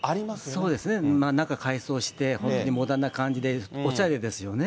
そうですね、中改装して、本当にモダンな感じで、おしゃれですよね。